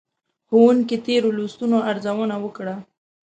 ښوونکي تېرو لوستونو ارزونه وکړه.